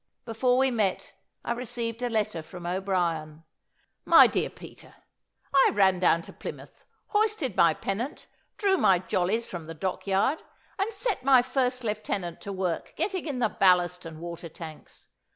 Before we met, I received a letter from O'Brien. "MY DEAR PETER, I ran down to Plymouth, hoisted my pennant, drew my jollies from the dock yard, and set my first lieutenant to work getting in the ballast and water tanks.